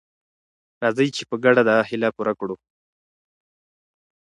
راځئ چې په ګډه دا هیله پوره کړو.